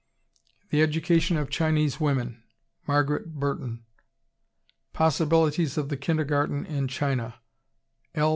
The Education of Chinese Women, Margaret Burton. Possibilities of the Kindergarten in China, L.